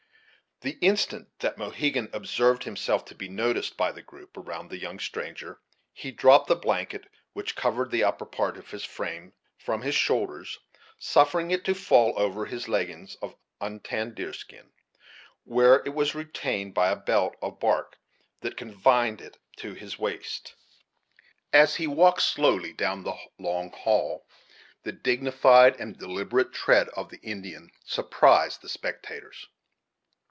The instant that Mohegan observed himself to be noticed by the group around the young stranger, he dropped the blanket which covered the upper part of his frame, from his shoulders, suffering it to fall over his leggins of untanned deer skin, where it was retained by a belt of bark that confined it to his waist. As he walked slowly down the long hail, the dignified and deliberate tread of the Indian surprised the spectators.